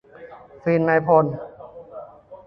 ฟีลนายพล